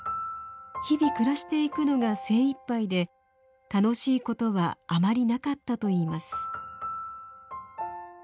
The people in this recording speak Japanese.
日々暮らしていくのが精いっぱいで楽しいことはあまりなかったといいます。